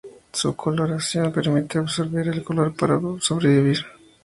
Su coloración le permite absorber el calor para sobrevivir.